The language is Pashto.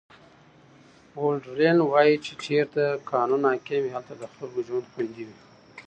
هولډرلین وایي چې چیرته چې قانون حاکم وي هلته د خلکو ژوند خوندي وي.